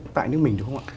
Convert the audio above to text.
tại nước mình đúng không ạ